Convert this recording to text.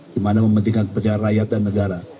dimana mementingkan kepercayaan rakyat dan negara